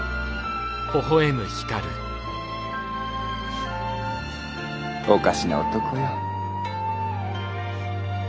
フッおかしな男よ。